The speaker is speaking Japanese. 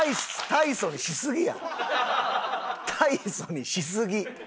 大層にしすぎ！